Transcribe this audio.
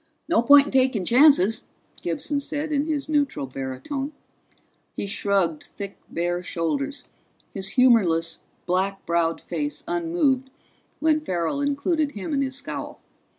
"No point in taking chances," Gibson said in his neutral baritone. He shrugged thick bare shoulders, his humorless black browed face unmoved, when Farrell included him in his scowl.